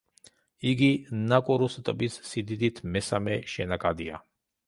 იგი ნაკურუს ტბის სიდიდით მესამე შენაკადია.